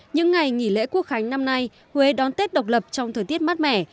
những ngày nghỉ lễ quốc khánh năm nay huế đón tết độc lập trong thời tiết mát mẻ